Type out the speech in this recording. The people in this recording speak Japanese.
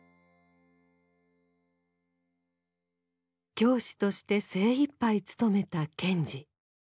教師として精いっぱい務めた賢治。